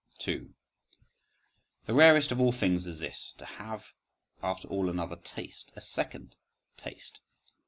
… 2. The rarest of all things is this: to have after all another taste—a second taste.